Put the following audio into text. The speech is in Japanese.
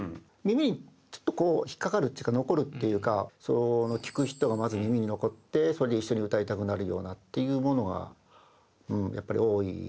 耳にちょっと引っ掛かるっていうか残るっていうか聴く人がまず耳に残ってそれで一緒に歌いたくなるようなっていうものがやっぱり多い。